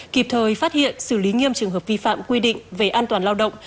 kịp thời phát hiện xử lý nghiêm trường hợp vi phạm quy định về an toàn lao động